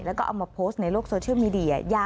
แล้วก็เอามาโพสต์ในโลกโซเชียลมีเดีย